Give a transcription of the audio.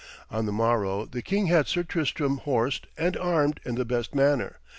On the morrow the king had Sir Tristram horsed and armed in the best manner.